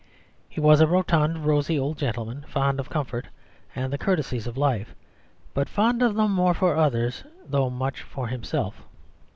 He was a rotund, rosy old gentleman, fond of comfort and the courtesies of life, but fond of them more for others, though much for himself.